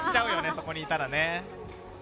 そこにいたらね。